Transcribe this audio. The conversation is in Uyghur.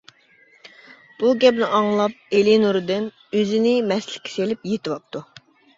بۇ گەپنى ئاڭلاپ ئېلى نۇرىدىن ئۆزىنى مەستلىككە سېلىپ يېتىۋاپتۇ.